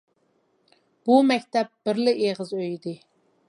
بۇ مەكتەپ بىرلا ئېغىز ئۆي ئىدى.